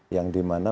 yang di mana